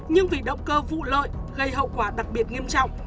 nhưng vì động cơ vụ lợi gây hậu quả đặc biệt nghiêm trọng